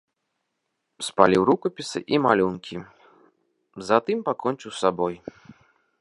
Спаліў рукапісы і малюнкі, затым пакончыў з сабой.